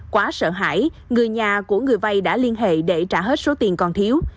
quá sợ hãi người nhà của người vay đã liên hệ để trả hết số tiền còn thiếu